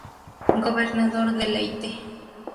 Gobernador de Leyte.